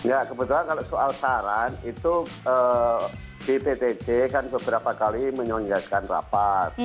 ya kebetulan kalau soal saran itu di ptj kan beberapa kali menyonjaskan rapat